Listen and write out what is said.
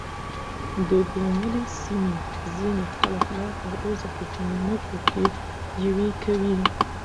د ګوملې سيمې ځينې خلک لا تر اوسه په ځمکو کې يوې کوي .